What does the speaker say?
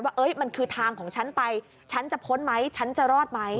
ว่ามันคือทางของฉันไปฉันจะพ้นไหมฉันจะรอดไหม